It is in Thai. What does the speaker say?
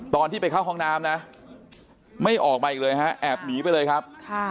ตอนที่ไปเข้าห้องน้ำนะไม่ออกมาอีกเลยฮะแอบหนีไปเลยครับ